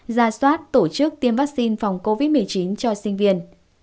ra soát tổ chức tiêm vaccine phòng covid một mươi chín cho sinh viên